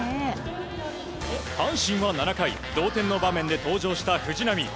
阪神は７回、同点の場面で登場した藤浪。